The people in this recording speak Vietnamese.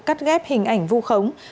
cắt ghép hình ảnh phu khống